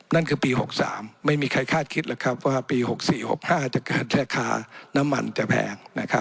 นั่นคือปี๖๓ไม่มีใครคาดคิดหรอกครับว่าปี๖๔๖๕จะเกิดราคาน้ำมันจะแพง